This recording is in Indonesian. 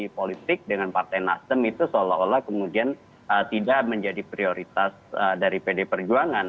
partai politik dengan partai nasdem itu seolah olah kemudian tidak menjadi prioritas dari pd perjuangan